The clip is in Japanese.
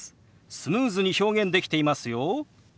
スムーズに表現できていますよ。